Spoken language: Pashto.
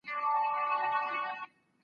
پیغمبران د خدای له لوري غوره سوي انسانان دي.